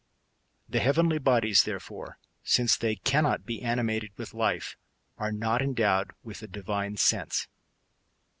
The heaven' ly bodies, therefore, since they cannot be animated with life, are not endowed with a divine sense.